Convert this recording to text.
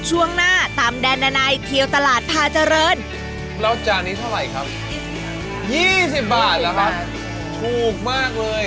ช่วงหน้าตามแดนอันไหนเที่ยวตลาดพาเจริญแล้วจานี้เท่าไหร่ครับ๒๐บาทถูกมากเลย